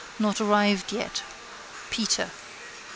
Not arrived yet. Peter.